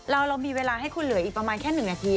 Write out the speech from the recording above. เรามีเวลาให้คุณเหลืออีกประมาณแค่๑นาที